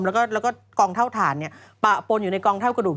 แล้วก็กองเท่าฐานปะปนอยู่ในกองเท่ากระดูก